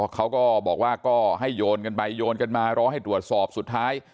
เขาก็บอกว่าก็ให้โยนกันไปโยนกันมารอให้ตรวจสอบสุดท้าย